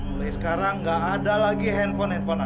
mulai sekarang nggak ada lagi handphone handphonan